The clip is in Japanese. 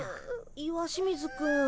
石清水くん。